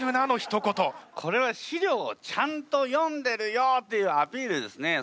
これは資料をちゃんと読んでるよっていうアピールですね。